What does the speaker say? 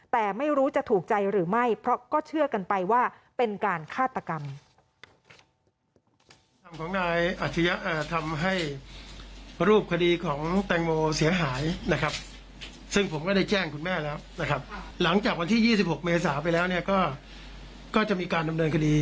แต่ไม่รู้จะถูกใจหรือไม่เพราะก็เชื่อกันไปว่าเป็นการฆาตกรรม